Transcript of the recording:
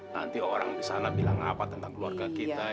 nanti orang di sana bilang apa tentang keluarga kita